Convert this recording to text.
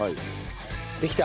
できた。